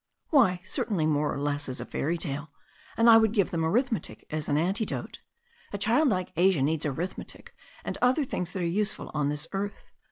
"Why, certainly, more or less as a fairy tale. And I would give them arithmetic as an antidote. A child like Asia needs arithmetic and other things that are useful on this earth.